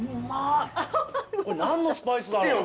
これ何のスパイスだろう。